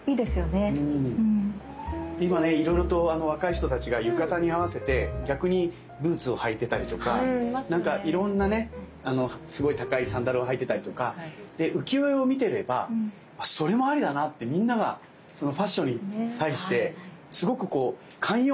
今ねいろいろと若い人たちが浴衣に合わせて逆にブーツを履いてたりとかいろんなねすごい高いサンダルを履いてたりとか浮世絵を見てればそれもアリだなってみんながファッションに対してすごくこう寛容になれますよね。